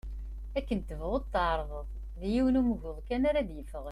Akken tebɣuḍ tεerḍeḍ, d yiwen ugmuḍ kan ara d-yeffɣen.